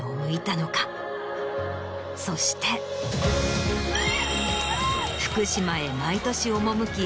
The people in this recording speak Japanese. そして福島へ毎年赴き